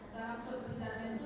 dalam perjalanan itu